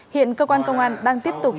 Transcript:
hiện cơ quan công an đang tiếp tục